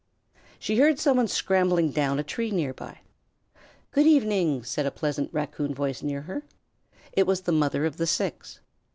She heard somebody scrambling down a tree near by. "Good evening," said a pleasant Raccoon voice near her. It was the mother of the six.